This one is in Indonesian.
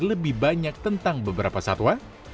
lebih banyak tentang beberapa satwa